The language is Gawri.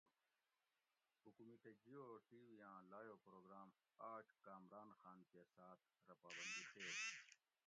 "حکومتہ جیو ٹی وی آں لایٔو پروگرام ""آج کامران خان کے ساتھ"" رہ پابندی شیئ"